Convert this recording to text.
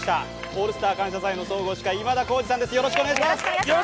「オールスター感謝祭」の総合司会、今田さんです。